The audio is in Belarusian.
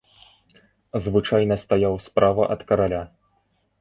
Звычайна стаяў справа ад караля.